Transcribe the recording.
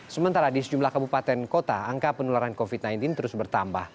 sementara di sejumlah kabupaten kota angka penularan covid sembilan belas terus bertambah